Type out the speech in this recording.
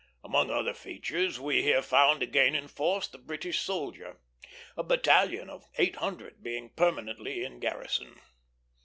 Among other features we here found again in force the British soldier; a battalion of eight hundred being permanently in garrison.